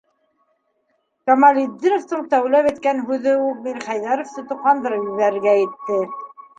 - Камалетдиновтың тәүләп әйткән һүҙе үк Мирхәйҙәровты тоҡандырып ебәрергә етте.